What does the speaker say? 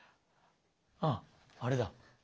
あっあれだ。